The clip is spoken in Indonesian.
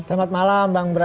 selamat malam bang brang